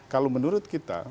kalau menurut kita